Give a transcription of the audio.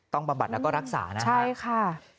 ต้องประบัติแล้วก็รักษานะครับใช่ค่ะ